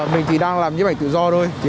mình thì đang làm những ảnh tự do thôi